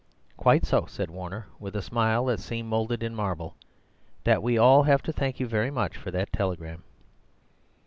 "Quite so," said Warner, with a smile that seemed moulded in marble—"that we all have to thank you very much for that telegram."